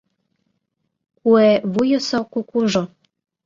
Куэ вуйысо кукужо